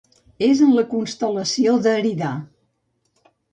És en la constel·lació d'Eridà.